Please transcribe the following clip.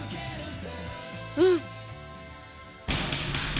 うん！